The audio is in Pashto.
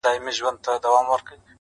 باندي اوښتي وه تر سلو اضافه کلونه-